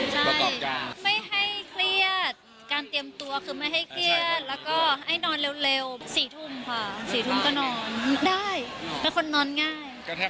ใช่ประกอบการ